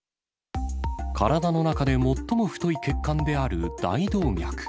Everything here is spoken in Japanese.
体の中で最も太い血管である大動脈。